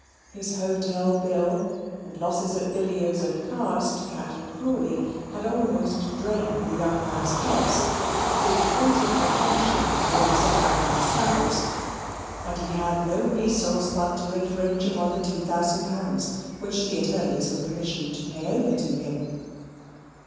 His hotel bill, losses at billiards and cards to Captain Crawley had almost drained the young man's purse, which wanted replenishing before he set out on his travels, and he had no resource but to infringe upon the two thousand pounds which the attorneys were commissioned to pay over to him.